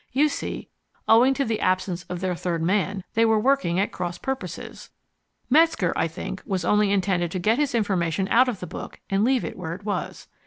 You see, owing to the absence of their third man, they were working at cross purposes. Metzger, I think, was only intended to get his information out of the book, and leave it where it was.